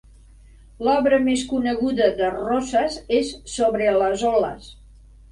L'obra més coneguda de Rosas és "Sobre las olas".